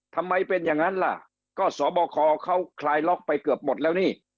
ทำไมเป็นอย่างนั้นล่ะก็สบคเขาคลายล็อกไปเกือบหมดแล้วนี่